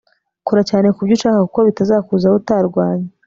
kora cyane kubyo ushaka kuko bitazakuzaho utarwanye